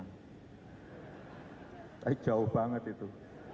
tapi jauh banget itu